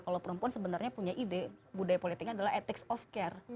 kalau perempuan sebenarnya punya ide budaya politiknya adalah ethics of care